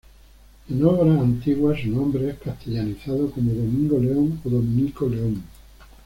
En obras antiguas su nombre es castellanizado como "Domingo León" o "Dominico León".